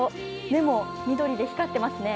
目も緑で光ってますね。